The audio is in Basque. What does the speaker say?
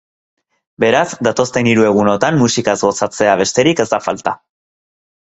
Beraz, datozen hiru egunotan musikaz gozatzea besterik ez da falta!